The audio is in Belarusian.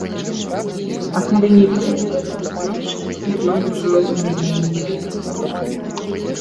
А калі не прыйдзе, то, значыцца, ён ужо мяне не любіць болей.